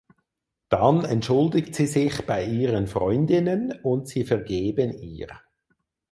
Dann entschuldigt sie sich bei ihren Freundinnen und sie vergeben ihr.